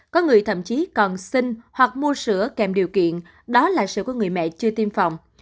có người thậm chí còn sinh hoặc mua sữa kèm điều kiện đó là sữa của người mẹ chưa tiêm phòng